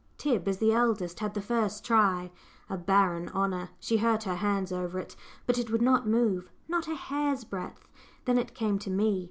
Tib as the eldest had the first try a barren honour; she hurt her hands over it, but it would not move not a hair's breadth! Then it came to me.